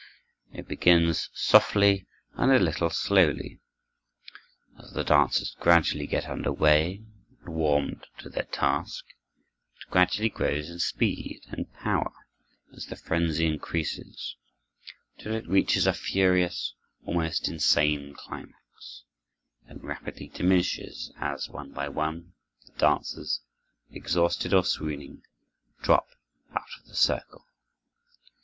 It begins softly and a little slowly. As the dancers gradually get under way and warmed to their task, it gradually grows in speed and power as the frenzy increases, till it reaches a furious, almost insane climax; then rapidly diminishes as, one by one, the dancers, exhausted or swooning, drop out of the circle.